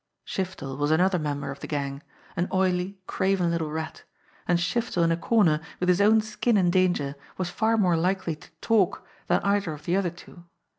... Shiftel was another member of the gang, an oily, craven little rat, and Shiftel in a corner with his own skin in danger was far more likely to talk than either of the other two